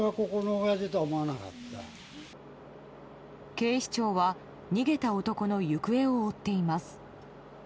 警視庁は逃げた男の行方を追っています。